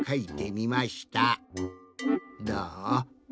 どう？